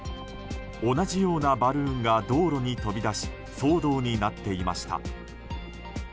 同じようなバルーンが道路に飛び出し騒動になっていました。